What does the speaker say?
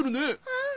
うん。